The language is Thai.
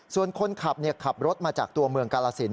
ส่วนคนขับขับรถมาจากตัวเมืองกาลสิน